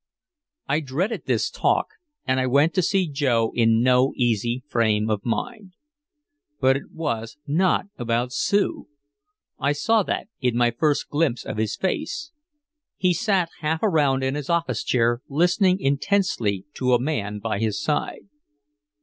I dreaded this talk, and I went to see Joe in no easy frame of mind. But it was not about Sue. I saw that in my first glimpse of his face. He sat half around in his office chair listening intensely to a man by his side.